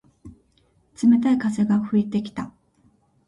冷たい風が吹いてきた。